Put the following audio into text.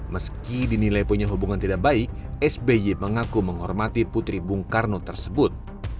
meski dinilai punya hubungan tidak baik sby mengaku menghormati putri bung karno tersebut